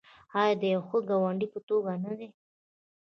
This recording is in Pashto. آیا د یو ښه ګاونډي په توګه نه دی؟